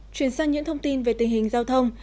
chuyển sang những thông tin về tình hình giao thông